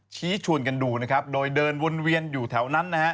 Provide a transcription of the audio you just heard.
ฉีชวนกันดูโดยเดินวนเวียนอยู่แถวนั้น